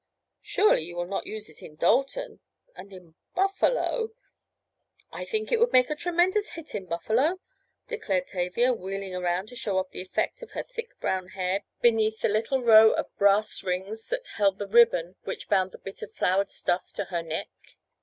Surely you will not use it in Dalton—and in Buffalo—" "I think it would make a tremendous hit in Buffalo," declared Tavia, wheeling around to show off the effect of her thick brown hair beneath the little row of brass rings that held the ribbon which bound the bit of flowered stuff to her neck.